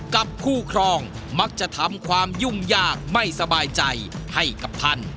กับคู่ครองมักจะทำความยุ่งยากไม่สบายใจให้กับท่าน